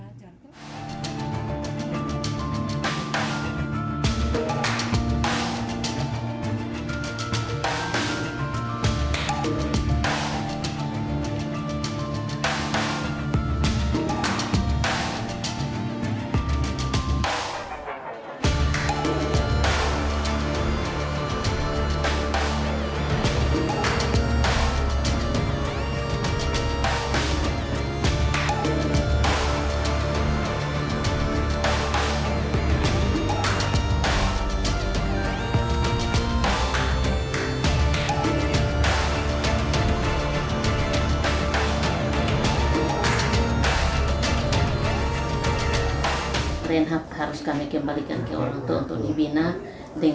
karena sudah berani pukul burung